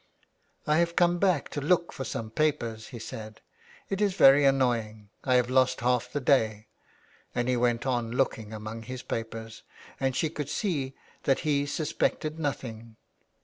" I have come back to look for some papers,*' he said. " It is very annoying. I have lost half the day," and he went on looking among his papers and she could see that he suspected nothing.